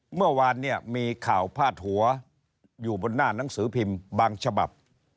เมื่อวานเนี่ยมีข่าวพาดหัวอยู่บนหน้าหนังสือพิมพ์บางฉบับ